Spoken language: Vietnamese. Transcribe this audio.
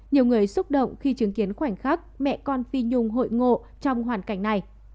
nhiều người xúc động khi chứng kiến khoảnh khắc mẹ con phi nhung hội ngộ trong hoàn cảnh này